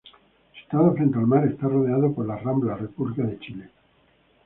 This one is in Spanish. Situado frente al mar, está rodeado por la Rambla República de Chile.